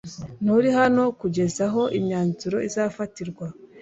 Nturi hano kugeza aho imyanzuro izafatirwa?